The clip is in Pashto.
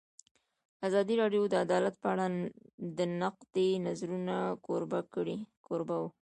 ازادي راډیو د عدالت په اړه د نقدي نظرونو کوربه وه.